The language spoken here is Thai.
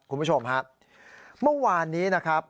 ทั้งน้องสะพ้ายแล้วก็น้องชายของแอมนะครับ